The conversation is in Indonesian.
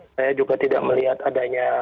saya juga tidak melihat adanya